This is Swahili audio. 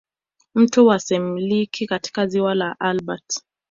Mto wa semliki katika ziwa la Albert